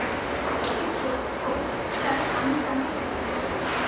এই তথ্য স্যার আমি জানি?